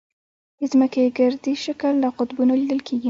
د ځمکې ګردي شکل له قطبونو لیدل کېږي.